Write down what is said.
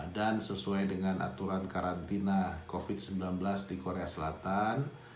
dan sesuai dengan aturan karantina covid sembilan belas di korea selatan